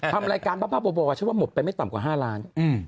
ที่ว่าหมดไปไม่ต่ำกว่าห้าล้าน